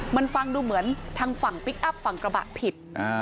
มันฟังดูเหมือนทางฝั่งพลิกอัพฝั่งกระบะผิด